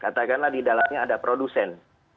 katakanlah di dalamnya ada produsen